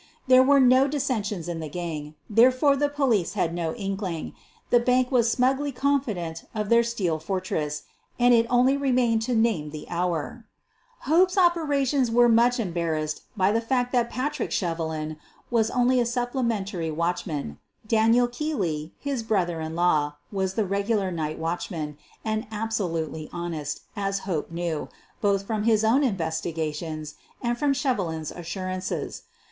There were no dissensions in the gang, there fore the police had no inkling, the bank was smugly confident of their steel fortress, and it only remained to name the hour. Hope's operations were much embarrassed by the fact that Patrick Shevelin was only a supple QUEEN OF THE BURGLARS 157 mentary watchman. Daniel Keely, his brother in law, was the regular night watchman, and abso lutely honest, as Hope knew, both from his own investigations and from Shevelin *s assurances.